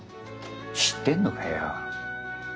知ってんのかよ。